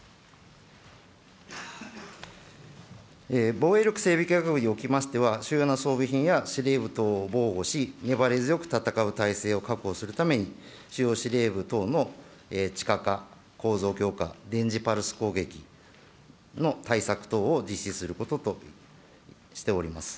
防衛力整備計画につきましては、必要な装備品やを防護し、粘り強く戦う体制を確保するために、司令部等の地下化、構造強化、電磁パルス攻撃の対策等を実施することとしております。